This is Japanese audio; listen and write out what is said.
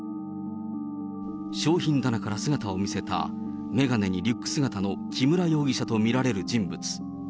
商品棚から姿を見せた、眼鏡にリュック姿の木村容疑者と見られる人物。